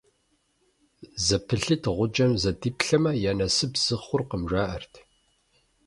ЗэпылъитӀ гъуджэм зэдиплъэмэ, я насып зы хъуркъым, жаӀэрт.